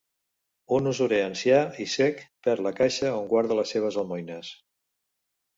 Un usurer ancià i cec perd la caixa on guarda les seves almoines.